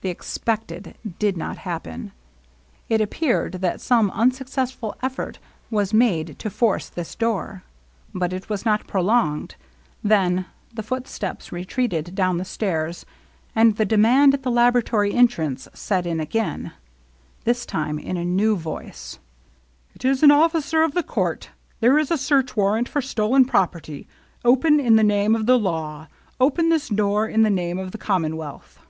The expected did not happen. It appeared that some unsuccessful effort was made to force this door, but it was not prolonged; then the footsteps re treated down the stairs, and the demand at the labo ratory entrance set in again, this time in a new voice :—'< It is an officer of the court ! There is a search warrant for stolen property ! Open in the name of the Law ! Open this door in the name of the Commonwealth